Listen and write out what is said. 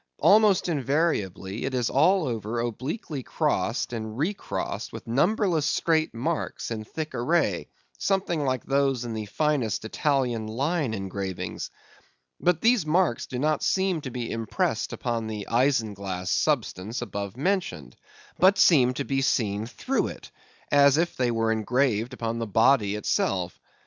Almost invariably it is all over obliquely crossed and re crossed with numberless straight marks in thick array, something like those in the finest Italian line engravings. But these marks do not seem to be impressed upon the isinglass substance above mentioned, but seem to be seen through it, as if they were engraved upon the body itself.